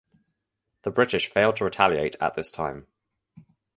The British failed to retaliate at this time.